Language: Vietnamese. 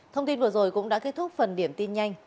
thông tin vừa rồi cũng đã kết thúc phần điểm tin nhanh